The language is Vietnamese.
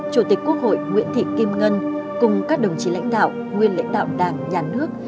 chủ tịch quốc hội nguyễn thị kim ngân cùng các đồng chí lãnh đạo nguyên lãnh đạo đảng nhà nước